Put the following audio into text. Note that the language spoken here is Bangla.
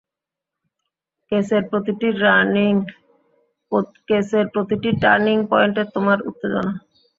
কেসের প্রতিটি টার্নিং পয়েন্টে তোমার উত্তেজনা।